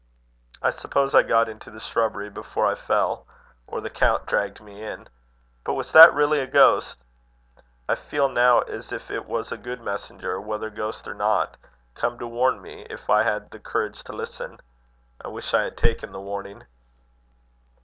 "I suppose I got into the shrubbery before I fell. Or the count dragged me in. But was that really a ghost? I feel now as if it was a good messenger, whether ghost or not, come to warn me, if I had had the courage to listen. I wish I had taken the warning."